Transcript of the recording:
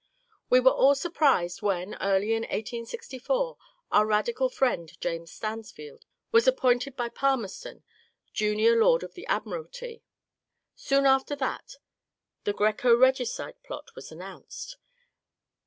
We were all surprised when, early in 1864, our radical friend, James Stansf eld, was appointed by Palmerston Junior Lord of the Admiralty. Soon after that the Greco regicide plot was announced.